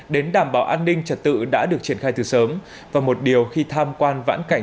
đến đảm bảo an ninh trật tự đã được triển khai từ sớm và một điều khi tham quan vãn cảnh